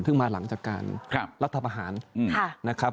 ซึ่งมาหลังจากการรัฐประหารนะครับ